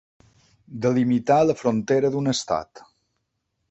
Delimitar la frontera d'un estat.